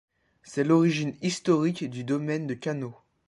C'est l'origine historique du domaine de Kanō.